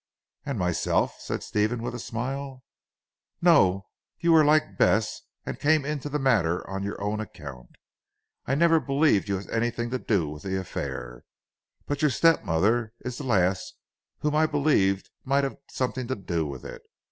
"And myself?" said Stephen with a smile. "No, you were like Bess and came into the matter on your own account. I never believed you had anything to do with the affair. But your step mother is the last whom I believed might have something to do with it.